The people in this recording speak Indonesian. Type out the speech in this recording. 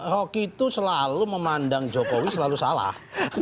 rocky itu selalu memandang jokowi selalu salah